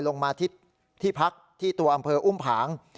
กลับลงมาจากดอยลงมาที่พักที่ตัวอำเภาอุ้มผาง